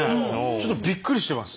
ちょっとびっくりしてます。